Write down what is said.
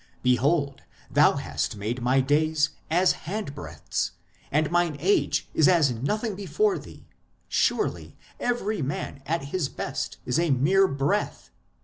Behold, Thou hast made my days as handbreadths ; and mine age is as nothing before Thee ; surely every man at his best is a mere breath.